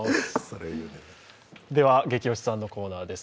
「ゲキ推しさん」のコーナーです。